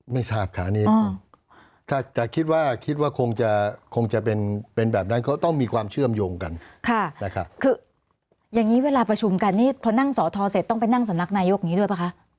ไม่ทราบค่ะอันนี้ถ้าจะคิดว่าคิดว่าคงจะคงจะเป็นแบบนั้นเขาต้องมีความเชื่อมโยงกันนะครับคืออย่างนี้เวลาประชุมกันนี่พอนั่งสอทอเสร็จต้องไปนั่งสำนักนายกนี้ด้วยป่ะคะ